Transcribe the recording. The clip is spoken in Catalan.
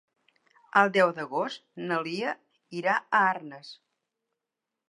El deu d'agost na Lia irà a Arnes.